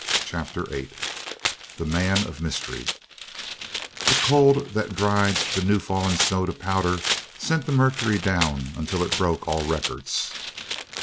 CHAPTER VIII THE MAN OF MYSTERY The cold that dried the new fallen snow to powder sent the mercury down until it broke all records.